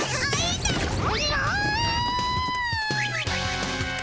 おじゃ！